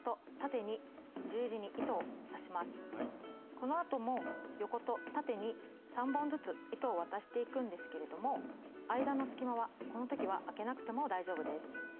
このあとも横と縦に３本ずつ糸を渡していくんですけれども間の隙間はこの時はあけなくても大丈夫です。